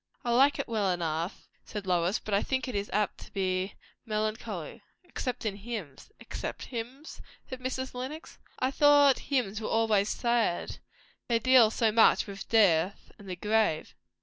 "I like it well enough," said Lois, "but I think it is apt to be melancholy. Except in hymns." "Except hymns!" said Mrs. Lenox. "I thought hymns were always sad. They deal so much with death and the grave."